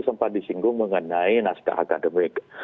sempat disinggung mengenai naskah akademik